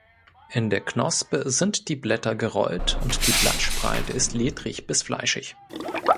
In der Knospe sind die Blätter gerollt und die Blattspreite ist ledrig bis fleischig.